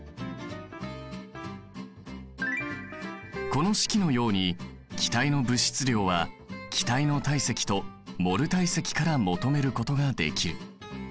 この式のように気体の物質量は気体の体積とモル体積から求めることができる。